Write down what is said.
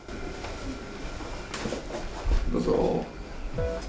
どうぞ。